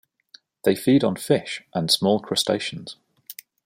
They feed on fish and small crustaceans.